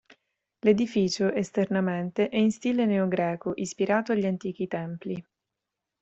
L'edificio, esternamente, è in stile neogreco, ispirato agli antichi templi.